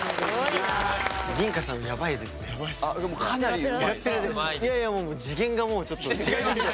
いやいやもう次元がもうちょっと違いすぎて。